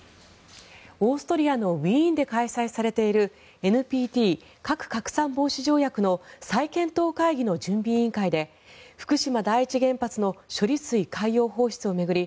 オーストリアのウィーンで開催されているＮＰＴ・核拡散防止条約の再検討会議の準備委員会で福島第一原発の処理水海洋放出を巡り